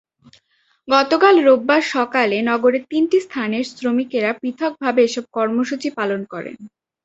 গতকাল রোববার সকালে নগরের তিনটি স্থানে শ্রমিকেরা পৃথকভাবে এসব কর্মসূচি পালন করেন।